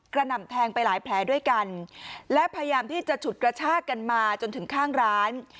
หน่ำแทงไปหลายแผลด้วยกันและพยายามที่จะฉุดกระชากันมาจนถึงข้างร้าน